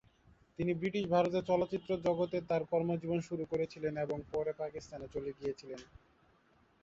তিনি ব্রিটিশ ভারতে চলচ্চিত্র জগতে তার কর্মজীবন শুরু করেছিলেন এবং পরে পাকিস্তানে চলে গিয়েছিলেন।